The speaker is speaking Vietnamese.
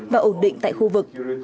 và ổn định tại khu vực